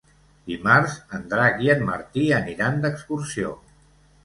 Dimarts en Drac i en Martí aniran d'excursió.